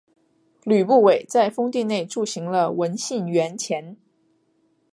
吕不韦在封地内铸行了文信圜钱。